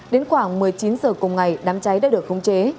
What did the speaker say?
đến khoảng một mươi chín h cùng ngày đám cháy đã được khống chế